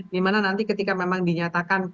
dimana nanti ketika memang dinyatakan apa namanya padat